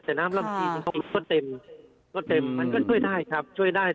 แต่น้ำลำชีมันก็เต็มมันก็ช่วยได้ครับช่วยได้แต่